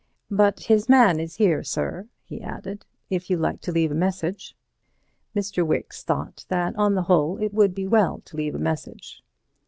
"But his man is here, sir," he added, "if you like to leave a message." Mr. Wicks thought that on the whole it would be well to leave a message.